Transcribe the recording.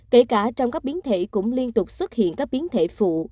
kể cả trong các biến thể cũng liên tục xuất hiện các biến thể phụ